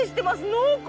濃厚！